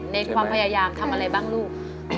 ในความพยายามทำอะไรบ้างลูก